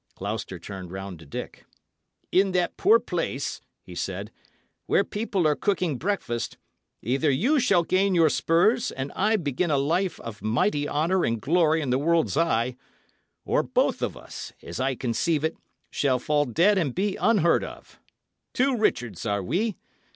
Gloucester turned round to Dick. "In that poor place," he said, "where people are cooking breakfast, either you shall gain your spurs and I begin a life of mighty honour and glory in the world's eye, or both of us, as I conceive it, shall fall dead and be unheard of. Two Richards are we.